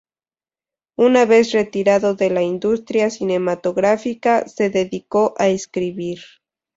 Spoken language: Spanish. Una vez retirado de la industria cinematográfica se dedicó a escribir.